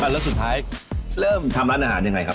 แล้วสุดท้ายเริ่มทำร้านอาหารยังไงครับ